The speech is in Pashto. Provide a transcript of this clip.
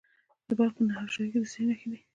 د بلخ په نهر شاهي کې د څه شي نښې دي؟